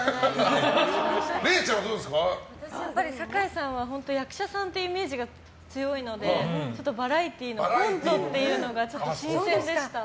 坂井さんは役者さんというイメージが強いのでバラエティーのコントっていうのが新鮮でした。